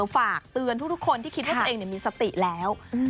ฝากเตือนทุกคนที่คิดว่าตัวเองมีสติแล้ว